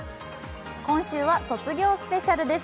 今週は卒業スペシャルです。